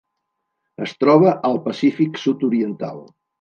Es troba al Pacífic sud-oriental: